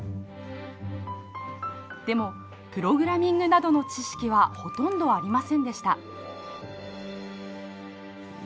でもプログラミングなどの知識はほとんどありませんでした。